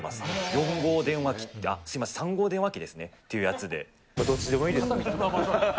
４号電話機って、あっ、すみません、３号電話機ですね、っていうどっちでもいいです。